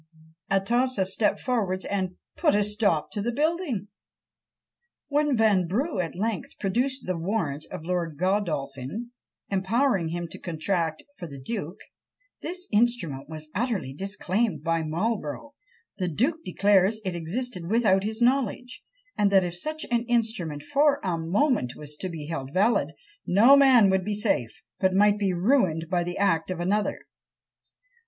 Atossa stepped forwards and "put a stop to the building." When Vanbrugh at length produced the warrant of Lord Godolphin, empowering him to contract for the duke, this instrument was utterly disclaimed by Marlborough; the duke declares it existed without his knowledge; and that if such an instrument for a moment was to be held valid, no man would be safe, but might be ruined by the act of another!